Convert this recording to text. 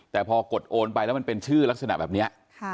แต่พอกดโอนไปแล้วมันเป็นชื่อลักษณะแบบนี้